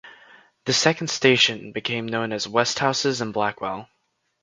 The second station became known as Westhouses and Blackwell.